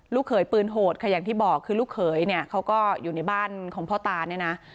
เขยปืนโหดค่ะอย่างที่บอกคือลูกเขยเนี่ยเขาก็อยู่ในบ้านของพ่อตาเนี่ยนะ